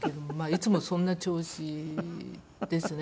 いつもそんな調子ですね。